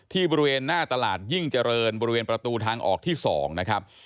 บริเวณหน้าตลาดยิ่งเจริญบริเวณประตูทางออกที่๒นะครับ